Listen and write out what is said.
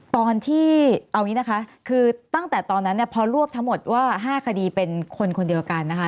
ตอนที่เอาอย่างนี้นะคะคือตั้งแต่ตอนนั้นเนี่ยพอรวบทั้งหมดว่า๕คดีเป็นคนคนเดียวกันนะคะ